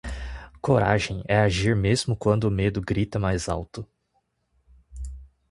Coragem é agir mesmo quando o medo grita mais alto